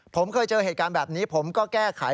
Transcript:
ผมเคยเจอเหตุการณ์แบบนี้ผมก็แก้ไข